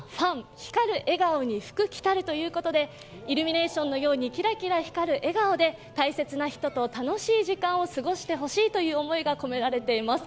−光る笑顔に福来る−」ということでイルミネーションのようにキラキラ光る笑顔で大切な人と楽しい時間を過ごして欲しいという思いが込められています。